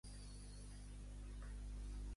Telefona al Nil Miron.